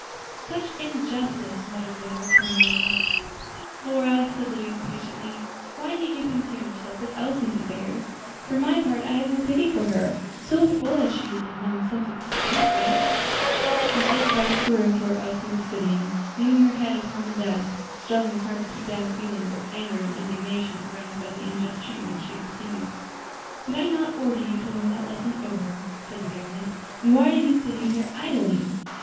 "Such injustice!" muttered Lora, turning away. "Lora," said Louise, impatiently, "why need you concern yourself with Elsie's affairs? for my part, I have no pity for her, so full as she is of nonsensical scruples." Miss Day crossed the room to where Elsie was sitting leaning her head upon the desk, struggling hard to keep down the feelings of anger and indignation aroused by the unjust treatment she had received. "Did I not order you to learn that lesson over?" said the governess, "and why are you sitting here idling?"